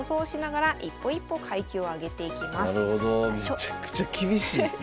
めちゃくちゃ厳しいですね。